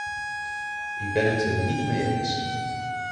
Ik ben het er niet mee eens.